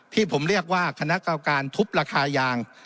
ที่ผมเรียกว่าคณะกรรมการทุบราคายาง